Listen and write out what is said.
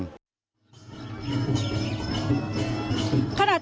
คุณคุณลุมราชาวศาสตร์